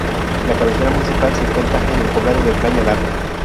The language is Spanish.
La cabecera municipal se encuentra en el poblado de Playa Larga.